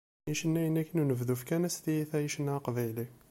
Icennayen-a n unebdu fkan-as tiyita i ccna aqbayli.